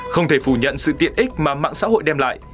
không thể phủ nhận sự tiện ích mà mạng xã hội đem lại